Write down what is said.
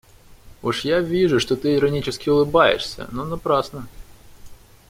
Уж я вижу, что ты иронически улыбаешься, но напрасно.